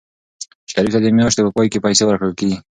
شریف ته د میاشتې په پای کې پیسې ورکول کېږي.